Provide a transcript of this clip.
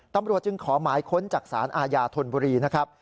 ตำรวจจึงขอหมายค้นจากสารอาญาธนบุรีนะครับ